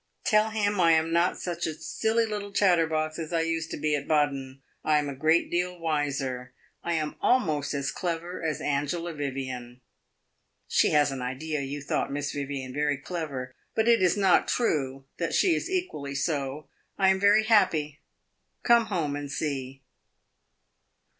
'Tell him I am not such a silly little chatterbox as I used to be at Baden. I am a great deal wiser; I am almost as clever as Angela Vivian.' She has an idea you thought Miss Vivian very clever but it is not true that she is equally so. I am very happy; come home and see."